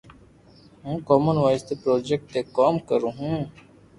ھون ڪومن وائس تو پروجيڪٽ تي ڪوم ڪرو ھون